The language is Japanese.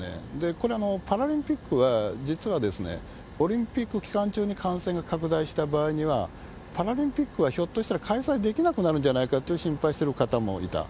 これ、パラリンピックは実はオリンピック期間中に感染が拡大した場合には、パラリンピックはひょっとしたら開催できなくなるんじゃないかと心配してる方もいた。